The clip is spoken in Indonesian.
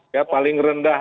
ya paling rendah